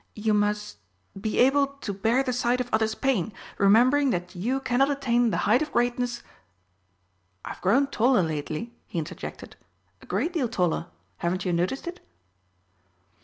You must 'be able to bear the sight of others' pain, remembering that you cannot attain the height of greatness '" "I've grown taller lately," he interjected, "a great deal taller; haven't you noticed it?"